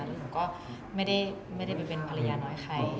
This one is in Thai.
หนูก็ไม่ได้ไปเป็นภรรยาน้อยใคร